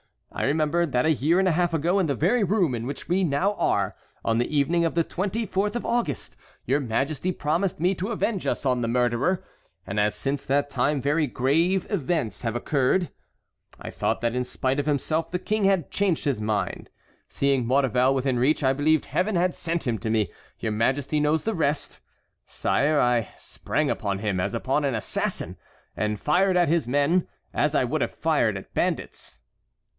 I remembered that a year and a half ago, in the very room in which we now are, on the evening of the 24th of August, your Majesty promised me to avenge us on the murderer, and as since that time very grave events have occurred I thought that in spite of himself the King had changed his mind. Seeing Maurevel within reach, I believed Heaven had sent him to me. Your Majesty knows the rest. Sire, I sprang upon him as upon an assassin and fired at his men as I would have fired at bandits."